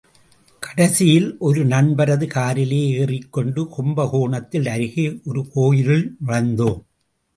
கடைசியில் ஒரு நண்பரது காரிலேயே ஏறிக்கொண்டு கும்பகோணத்தில் அருகே ஒரு கோயிலுள் நுழைந்தோம்.